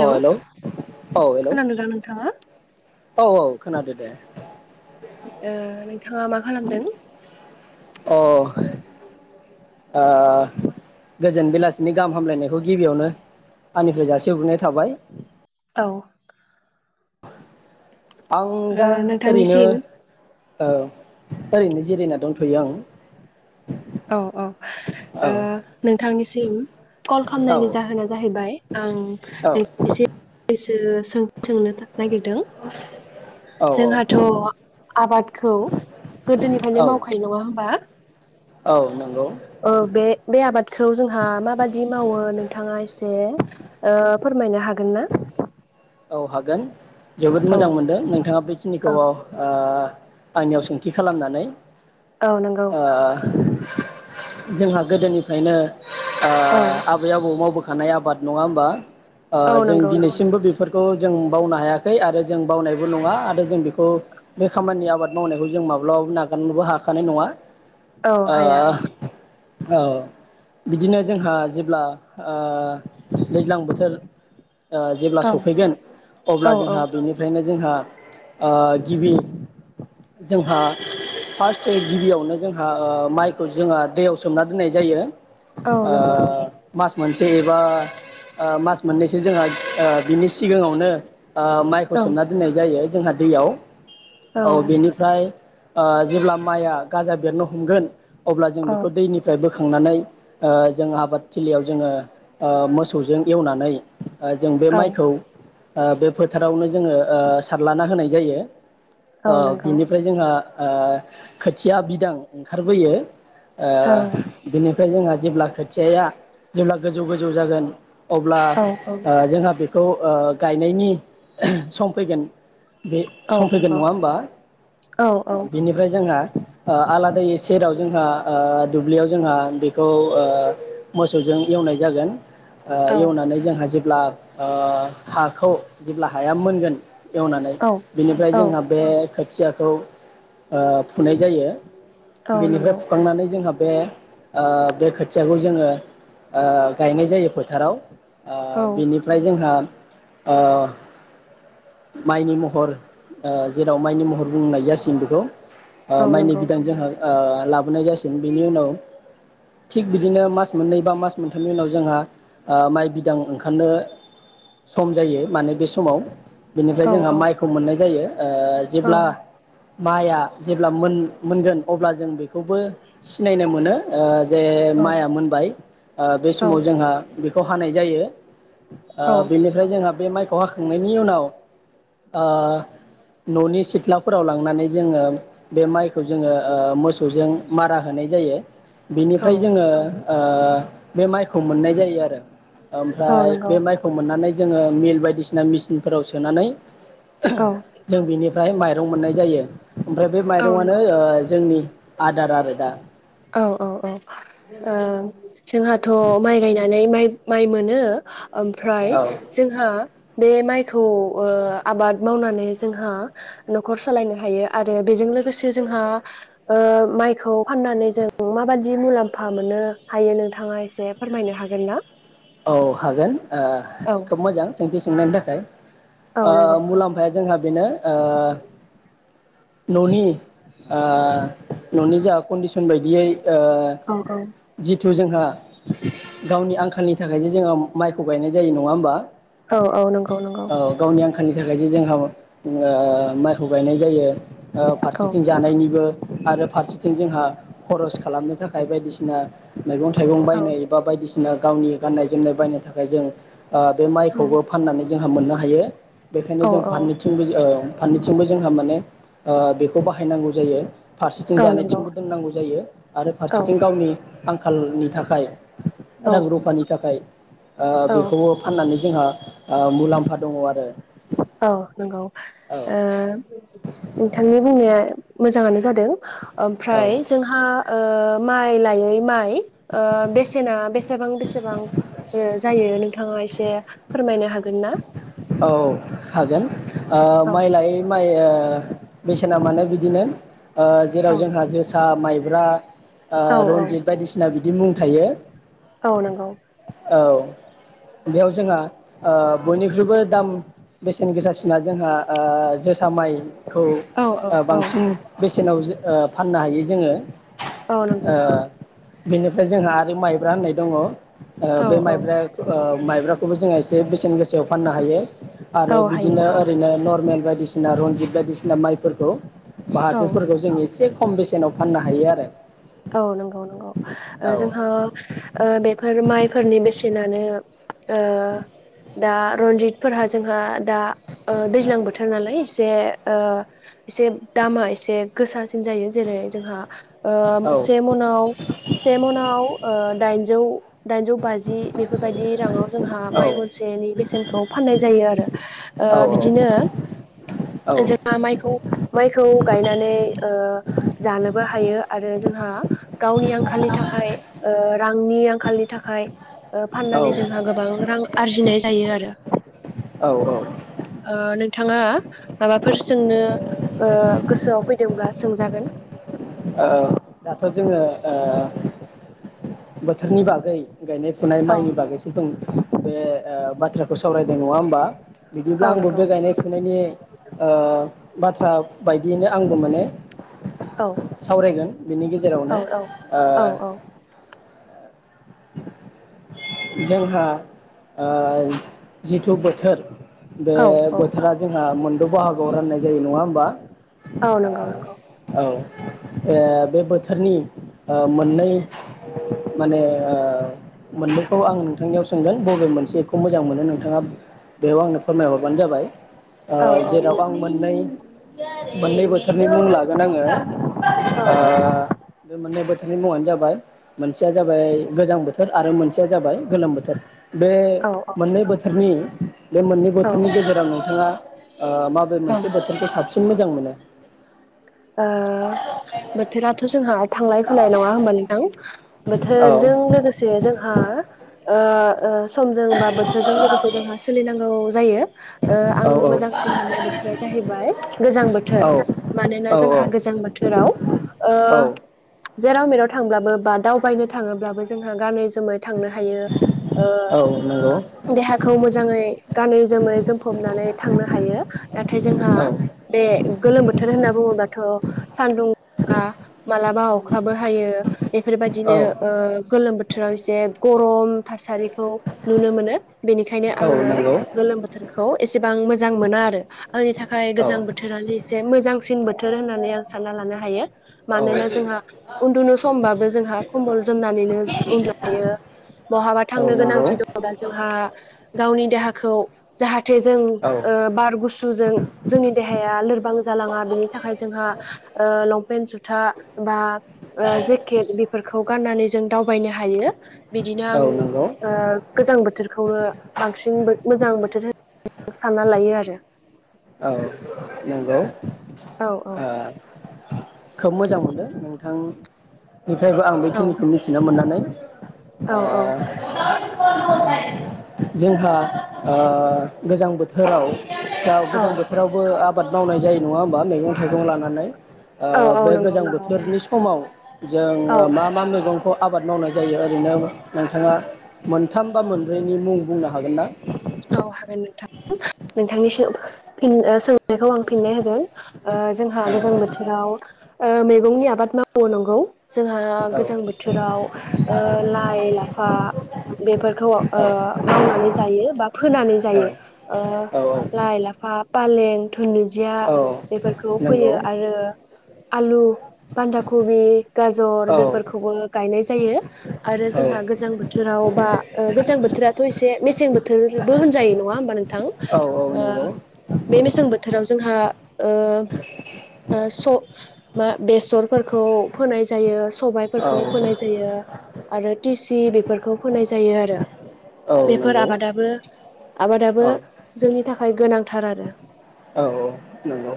औ हेलौ औ हेलौ खोनादोंना नोंथाङा औ औ खोनादो दे ए नोंथाङा मा खालामदों अ आ गोजोन बेलासिनि गाहाम हामलायनायखौ गिबियावनो आंनिफ्राय जासिहरग्रोननाय थाबाय औ आं ओ दा ओरैनो नोंथांनिसिम औ ओरैनो जिरायना दंथ'यो आं औ औ ओ नोंथांनिसिम सिम कल औ खालामनायनि जाहोना जाहैबाय आं औ एसेसो सोंथि सोंनो नागिरदों औ जोंहाथ' आबादखौ औ गोदोनिफ्रायनो मावखायो नङा होनबा औ नंगौ औ बे बे आबादखौ जोंहा माबादि मावो नोंथाङा एसे ओ फोरमायनो हागोन ना औ हागोन जोबोद औ मोजां मोनदों नोंथाङा बेखिनिखौ औ ओ आंनियाव सोंथि खालामनानै औ नंगौ ओ जोंहा गोदोनिफ्रायनो ओ औ आबै आबौ मावबो खानाय आबाद नङा होमबा ओ औ जों नंगौ नंगौ दिनैसिमबो बे खौ जों बावनो हायाखै आरो जों बावनायबो नङा आरो जों बेखौ बे खामानि आबाद मावनायखौ जों माब्लाबाबो नागारनोबो हाखानाय नङा औ ओ हाया औ बिदिनो जोंहा जेब्ला ओ दैज्लां बोथोर ओ जेब्ला औ स फैगोन औ अब्ला औ जोंहा बेनिफ्रायनो जोंहा ओ गिबि जोंहा फार्स्ट गिबियावनो जोंहा ओ माइखौ जोंहा दैयाव सोमना दोननाय जायो औ ओ नंगौ मास मोनसे एबा ओ मास मोननैसो जोंहा ओ बिनि सिगाङावनो ओ माइखौ औ सोमना दोननाय जायो जोंहा दैयाव औ बेनिफ्राय ओ जेब्ला माइआ गाजा बेरनो हमगोन अब्ला जों औ बेखौ दैनिफ्राय बो खांनानै ओ जों आबाद थिलियाव जोङो ओ मोसौजों एवनानै ओ जों बे औ माइ ओ बे फोथारावनो जोङो ओ सारलाना होनाय जायो औ ओ नंगौ बिनिफ्राय जोंहा ओ खोथिया बिदां ओंखारबोयो ओ औ बिनि फ्राय जोंहा जेब्ला खोथियाया जेब्ला गोजौ गोजौ जागोन अब्ला औ औ ओ जोंहा बे खौ ओ गायनायनि सम फैगोन बे औ समफैगोन नंगौ नङा होमबा औ औ बेनिफ्राय जोंहा ओ आलादायै सेराव जोंहा ओ दुब्लियाव जोंहा बेखौ ओ मोसौजों ओ एवनाय जागोन ओ औ एवनानै जोंहा जे अब्ला ओ हाखौ जेब्ला हाया मोनगोन एवनानै औ बिनिफ्राय औ जोंना बे खोथियाखौ ओ फुनाय जायो औ । बेनिफ्राय नंगौ फुखांनानै जोंहा बे ओ बे खोथियाखौ जोङो ओ गायनाय जायो फोथाराव ओ औ बिनि जोंहा ओ माइनि महर ओ जेराव ओ माइनि महर बुंनाय जासिगोन बेखौ औ ओ माइनि नंगौ बिदां जोंहा ओ लाबोनाय जासिगोन बेनि उनाव थिग बिदिनो मास मोननै बा मास मोनथामनि उनाव जोंहा ओ माइ बिदां ओंखारनो सम जायो माने बे समाव बेनिफ्राय औ जोंहा औ माइखौ मोननाय जायो ओ औ जेब्ला माइया जेब्ला मोनगोन मोनगोन अब्ला जों बेखौबो सिनायनो मोनो ओ जे माइया मोनबाय बे ओ औ समाव जोंहा बेखौ फानाय जायो औ ओ बेनिफ्राय जोंहा बे माइ खाव हाखांनायनि उनाव ओ न'नि सिथ्लाफोराव लांनानै जोङो बे माइखौ जोङो ओ मोसौजों मारा होनाय जायो । बिनिफ्राय जोङो ओ बे माइखौ मोननाय जायो आरो औ ओमफ्राय नंगौ बे माइखौ मोननानै जोङो मिल बायदिसिना मेचिनफोराव सोनानै औ जों बिनि ओमफ्राय माइरं मोननाय जायो । ओमफ्राय बे औ माइरंआनो नंगौ ओ जोंनि आदार आरो दा औ औ औ ओ जोंहाथ' माइ गायनानै माइ माइ मोनो । ओमफ्राय औ बे माइखौ ओ आबाद मावनानै जोंहा न'खर सालायनो हायो आरो बेजों लोगोसे लोगोसे जोंहा ओ माइखौ फाननानै जों माबाददि मुलाम्फा मोननो हायो नोंथाङा एसे फोरमायनो हागोन ना? औ हागोन ओ औ खोब मोजां । सोंथि सोंनायनि औ आ नंगौ मुलाम्फाया जोंहा बेनो ओ न'नि ओ न'नि जा कन्दिसन बायदियै । औ ओ जिथु जोंहा गावनि आंखालनि थाखायसो जोङो माइखौ गायनाय जायो। नङा होमबा? औ औ नंगौ नंगौ। खालनि थाखायसो जोंहाबो ओ माइखौ गायनाय जायो। ओ औ फारसेथिं जानायनिबो आरो फारसेथिं जोंहा खरस खालामनो थाखाय बायदिसिना मैगं थाइगं औ बायनाय बा बायदिसिना गावनि गाननाय जोमनाय बायनो थाखाय जों ओ बे माइखौबो फाननानै जोंहा मोननो हायो बेखायनो औ जों फारनैथिंबो औ फाननोथिंबो जोंहा माने ओ बेखौ बाहायनांगौ जायो। फारसेथिं औ नंगौ जानायथिंबो दोननांगौ जायो आरो औ फारसेथिं गावनि आं खालनि थाखाय औ रां रुपानि थाखाय ओ औ बेखौबो फाननानै जोंहा ओ मुलाम्फा दङ आरो। औ नोंगौ। औ ओ नोंथांनि बुंनाया मोजाङानो जादों। औ ओमफ्राय जोंहा ओ माइ लायै माइ ओ बेसेना बेस सेबां बेसेबां ओ जायो नों थाङा एसे फोरमायनो हागोन ना? औ हागोन। ओ औ माइ लायै माइ ओइ ओ बेसेना माने बिदिनो ओ जेराव औ जोंहा जोसा माइब्रा ओ औ रनजित बायदिसिना बि दि मुं थायो। औ नंगौ। औ बेयाव जोंहा ओ बयनिख्रुइबो दाम बेसेन गोसासिना जोंहा ओ जोसा माइ खौ औ औ ओ औ बांसिन बेसेनाव जों ओ फाननो हायो जोङो औ नंगौ ओ बेनिफ्राय जोंहा आरो माइब्रा होननाय दङ। ओ औ बे औ माइब्रा ओ माइब्राखौबो जोंहा एसे बेसेन गोसाआव फाननो हायो औ आरो हायो बिदिनो ओरैनो नर मेल बायदिसिना रनजित बायदिसिना माइफोरखौ औ बाहादोफोरखौ जों ए से खम बेसेनाव फाननो हायो आरो औ नंगौ नंगौ जोंहा ओ बेफोर माइ फोरनि बेसेनानो ओ दा रनजित फोरहा जोंहा दा ओ दैज्लां बोथोर नालाय एसे ओ एसे दामा एसे गोसासिन जायो जेरै जोंहा औ से मनाव से मनाव ओ दाइन जौ दाइनजौ बाजि बेफोरबायाददि राङाव जोंहा औ माइ मनसेनि बेसेनखौ फाननाय जायो आरो ओ औ बिदिनो औ जोंहा माइखौ माइखौ गायनानै ओ जानोबो हायो आरो जों हा गावनि आंखालनि थाखाय ओ रांनि आंखालनि थाखाय ओ फाननानै जोंहा गोबां रां आरजिनाय जायो आरो औ औ ओ नोंथाङा माबाफोर सोंनो ओ गोसोआव फैदोंब्ला सोंजागोन ओ दाथ' जोङो ओ बोथोरनि बागै गायनाय फुनाय औ माइनि बागैसो जों बे ओ बाथ्राखौ सावरायदों नङा होमबा बिदिब्ला औ आंबो नंगौ बे गायनाय फुनायनि ओ बाथ्रा बायदियैनो आंबो माने औ सावरायगोन बिनि औ गेजेरावनो औ ओ औ जोंहा ओ जिथु बोथोर बे औ औ बोथोरा जोंहा मोन द' बाहागोआव राननाय जायो नङा होमबा औ ओ नंगौ नंगौ औ बे बोथोरनि ओ मोननै माने ओ मोननैखौ आं नोंथांनियाव सोंगोन बबे मोनसेखौ मोजां मोनो नोंथाङा बेयाव आंनो फोरमायहरबानो जाबाय औ औ जेराव आं मोननै मोननै बोथोरनि मुं लाग गोन आङो औ ओ औ बे मोननै बोथोरनि मुङानो जाबाय मोनसेया जाबाय गोजां बोथोर आरो मोनसेया जाबाय गोलोम बोथोर बे औ मोननै बोथोरनि बे मोननै औ बोथोरनि गेजेराव नोंथाङा माबे ओ मोनसे बोथोरखौ साबसिन सिन मोजां मोनो ओ बोथोराथ जोंहा थांलाय फैलाय नङा होमबा नोंथां औ बोथोरजों लोगोसे जोंहा ओ समजों बा बोथोरजों लोगोसे जोंहा सोलिनांगौ जायो आं मोजांसिन मोननाय बोथोरा जाहैबाय गोजां औ बोथोर औ मानोना जोंहा गोजां बोथोराव ओ औ जेराव मेराव थांब्लाबो बा दावबायनो थाङोब्लाबो जोंहा गानै जोमै थांनो हायो औ नंगौ देहाखौ मोजाङै गानै जोमै जोमफबनानै थांनो हायो नाथाय जोंहा औ बे गोलोम बोथोर होनना बुङोब्ला थ सानदुं मालाबा अखाबो हायो औ बेफोरबायदिनो ओ गोलोम बोथोर बोथोराव एसे गरम थासारिखौ नुनो मोनो बेनिखायनो औ आङो नंगौ गोलोम बोथोरखौ एसेबां मोजां मोना आरो आंनि थाखाय औ नंगौ औ गोजां बोथोरानो एसे मोजां सिन बोथोर होननानै आं सानना लानो हायो औ मानोना जोंहा उन्दुनो समबाबो जोंहा खम्बल जोमनानैनो उन्दुनो हायो बहाबा थांनो नंगौ गोनांथि दङबा जोंहा गावनि देहाखौ जाहा थे जों बार गुसुजों जोंनि देहाया लोरबां जालाङा बिनि हा ओ लंपेन जुथा बा जेकेट बेफोरखौ गाननानै जों दावबायनो हायो बिदिनो आं गोजां बोथोर खौनो बांसिन मोजां बोथोर होनना सानना लायो आरो औ नोंगौ औ औ ओ‌ खोब मोजां मोन नोंथां निफ्रायबो आं औ बेखिनिखौ मिथिनो मोननानै ओ [unintelligible] औ औ जोंहा ओ गोजां बोथोराव औ गोजां बोथोरावबो आबाद मावनाय जायो नङा होमबा मैगं थाइगं लानानै ओ औ औ बे नंगौ गोजां नंगौ बोथोरनि समाव औ जोंङो मा मा मैगं खौ आबाद मावनाय जायो ओरैनो नोंथाङा मोनथाम बा मोनब्रैनि मुं बुंनो हागोन ना औ हागोन नोंथां नोंथांनि सों ओ सोंनायखौ आं फिननाय होगोन ओ जोंहा गोजां बोथोराव ओ मैगंनि आबाद मावो‌ नंगौ जोंहा गोजां बोथोराव ओ लाइ लाफा बेफोरखौ ओ मावनानै जायो बा होनानै जायो ओ औ लाइ लाफा फालें धुनुजिया औ बेफोरखौ नंगौ फोयो आरो आलु बान्दाकबि गाजर औ बेफोरखौबो गायनाय जायो आरो औ जोंहा गोजां बोथोराव बा ओ गोजां बोथोराथ' एसे मेसें बोथोर बो होनजायो नङा होनबा औ औ नंगौ बे मेसें बोथोराव जोंहा ओ स मा बेसरफोरखौ फोनाय जायो सबायफोरखौ औ फोनाय जायो आरो टिसि बेफोरखौ फोनाय जायो आरो औ बेफोर नंगौ आबादा बो आबादाबो औ जोंनि थाखाय गोनांथार आरो औ नंगौ